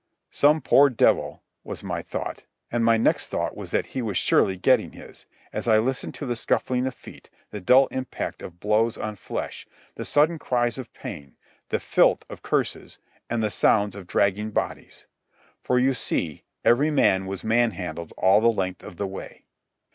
"Some poor devil," was my thought; and my next thought was that he was surely getting his, as I listened to the scuffling of feet, the dull impact of blows on flesh, the sudden cries of pain, the filth of curses, and the sounds of dragging bodies. For, you see, every man was man handled all the length of the way.